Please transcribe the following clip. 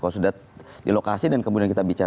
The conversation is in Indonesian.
kalau sudah di lokasi dan kemudian kita bicara